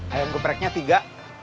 ayam gepreknya tiga